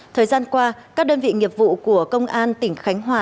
thời gian qua các đơn vị nghiệp vụ của công an tỉnh khánh hòa